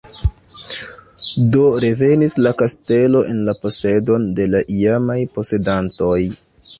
Do revenis la kastelo en la posedon de la iamaj posedantoj.